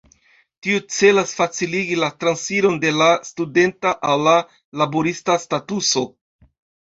Tio celas faciligi la transiron de la studenta al la laborista statuso.